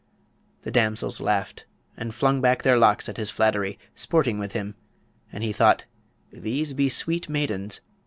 The damsels laughed and flung back their locks at his flattery, sporting with him; and he thought, 'These be sweet maidens!